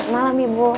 selamat malam ibu